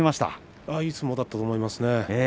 いい相撲だったと思います。